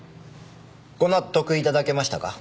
ご納得いただけましたか？